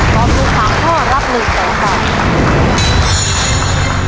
ตอบถูก๓ข้อรับ๑๐๐๐๐บาท